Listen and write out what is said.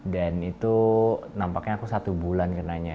dan itu nampaknya aku satu bulan kena nya